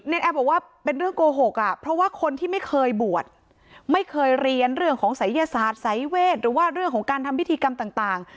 แอร์บอกว่าเป็นเรื่องโกหกอ่ะเพราะว่าคนที่ไม่เคยบวชไม่เคยเรียนเรื่องของศัยยศาสตร์สายเวทหรือว่าเรื่องของการทำพิธีกรรมต่าง